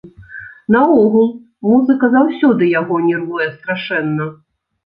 Наогул, музыка заўсёды яго нервуе страшэнна.